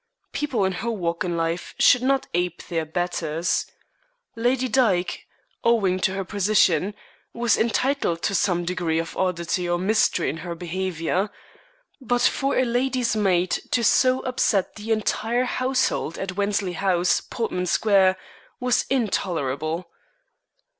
People in her walk in life should not ape their betters. Lady Dyke, owing to her position, was entitled to some degree of oddity or mystery in her behavior. But for a lady's maid to so upset the entire household at Wensley House, Portman Square, was intolerable.